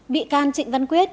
bị can trịnh văn quyết